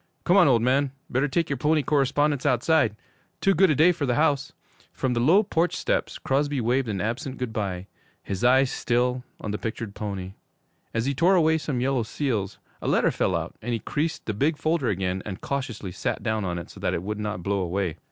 Come on, old man. Better take your pony correspondence outside! Too good a day for the house.' From the low porch steps Crosby waved an absent good bye, his eyes still on the pictured pony. As he tore away some yellow seals, a letter fell out, and he creased the big folder again and cautiously sat down on it so that it would not blow away.